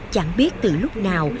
chẳng biết từ lúc nào